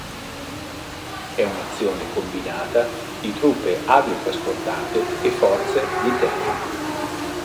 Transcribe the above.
È un'azione combinata di truppe aviotrasportate e forze di terra.